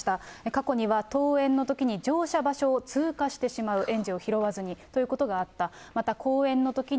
過去には登園のときに、乗車場所を通過してしまう、園児を拾わずに、ということがあった。